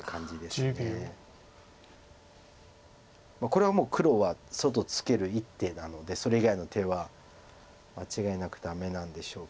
これはもう黒は外ツケる一手なのでそれ以外の手は間違いなくダメなんでしょうけど。